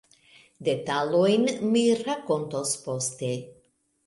Detalojn mi rakontos poste.